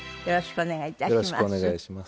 よろしくお願いします。